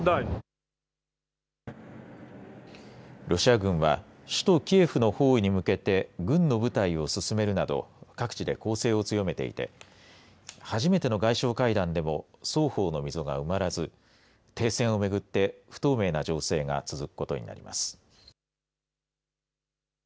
ロシア軍は首都キエフの包囲に向けて軍の部隊を進めるなど各地で攻勢を強めていて初めての外相会談でも双方の溝が埋まらず停戦をめぐって不透明な情勢が続くことになります。